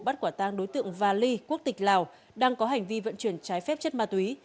bắt quả tăng đối tượng vali quốc tịch lào đang có hành vi vận chuyển trái phép chất ma túy